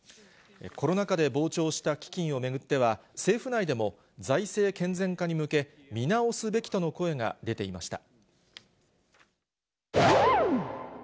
コロナ禍で膨張した基金を巡っては、政府内でも財政健全化に向け、見直すべきとの声が出ていました。